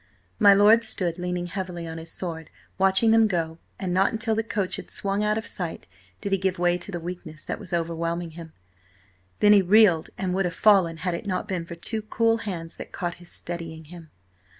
My lord stood leaning heavily on his sword, watching them go, and not until the coach had swung out of sight did he give way to the weakness that was overwhelming him. Then he reeled and would have fallen, had it not been for two cool hands that caught his, steadying him.